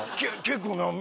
結構な。